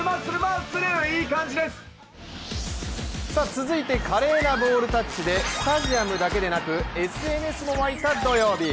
続いて華麗なボールタッチで、スタジアムだけでなくＳＮＳも沸いた土曜日。